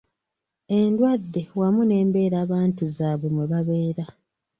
Endwadde wamu n’embeerabantu zaabwe mwe babeera.